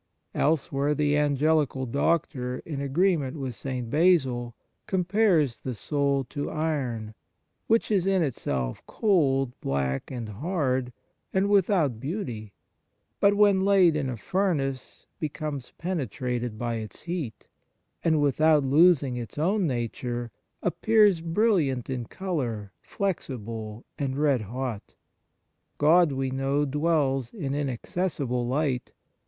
2 Elsewhere the Angelical Doctor, in agreement with St. Basil, compares the soul to iron, which is in itself cold, black and hard, and without beauty, but when laid in a furnace be comes penetrated by its heat, and, without losing its own nature appears brilliant in colour, flexible, and red hot. God, we know, dwells in inaccessible light.